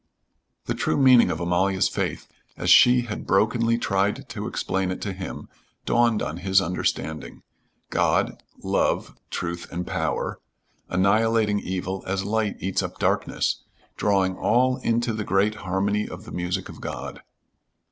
The true meaning of Amalia's faith, as she had brokenly tried to explain it to him, dawned on his understanding. God, love, truth, and power, annihilating evil as light eats up darkness, drawing all into the great "harmony of the music of God."